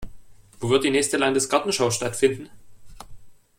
Wo wird die nächste Landesgartenschau stattfinden?